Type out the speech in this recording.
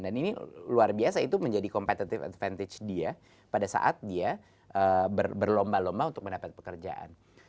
dan ini luar biasa itu menjadi competitive advantage dia pada saat dia berlomba lomba untuk mendapatkan pekerjaan